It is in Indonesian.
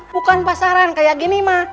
bukan pasaran kayak gini mah